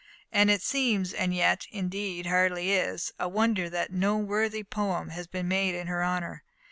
And it seems and yet, indeed, hardly is a wonder that no worthy poem has been made in her honour.